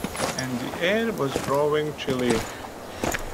And the air was growing chilly.